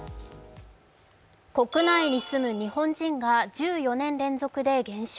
国内に住む日本人が１４年連続で減少。